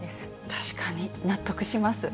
確かに、納得します。